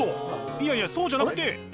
いやいやそうじゃなくて。